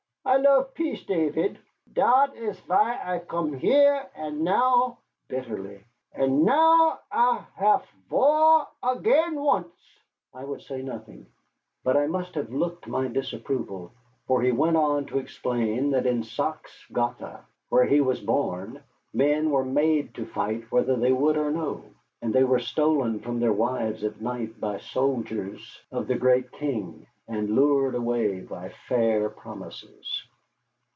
I love peace, Tavid. Dot is vy I come here, and now," bitterly, "and now ve haf var again once." I would say nothing; but I must have looked my disapproval, for he went on to explain that in Saxe Gotha, where he was born, men were made to fight whether they would or no; and they were stolen from their wives at night by soldiers of the great king, or lured away by fair promises.